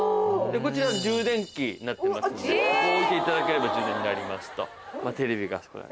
こちら充電器になってますんで置いていただければ充電になります。